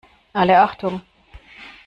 Alle Achtung!